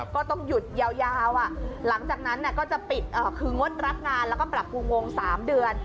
ก็ต้องหยุดยาวหลังจากนั้นก็จะปิดคืองดรับงานแล้วก็ปรับปรุงวง๓เดือน